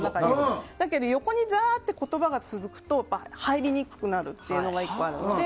だけど横にザーッと言葉が続くと入りにくくなるのが１個あるので。